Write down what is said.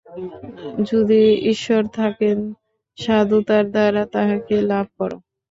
যদি ঈশ্বর থাকেন, সাধুতার দ্বারা তাঁহাকে লাভ কর।